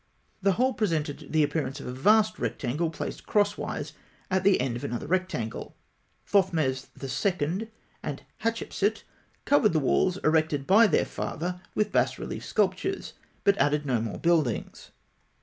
The whole presented the appearance of a vast rectangle placed crosswise at the end of another rectangle. Thothmes II. and Hatshepsût covered the walls erected by their father with bas relief sculptures, but added no more buildings.